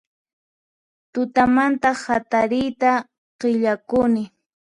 Tutamanta hatariyta qillakuni